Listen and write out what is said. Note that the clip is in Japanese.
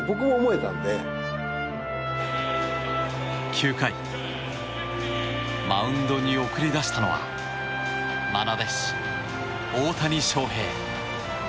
９回、マウンドに送り出したのはまな弟子・大谷翔平。